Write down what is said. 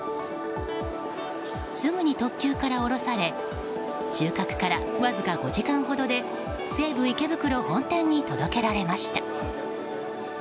すぐに特急から降ろされ収穫からわずか５時間ほどで西武池袋本店に届けられました。